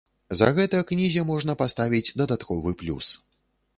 За гэта кнізе можна паставіць дадатковы плюс.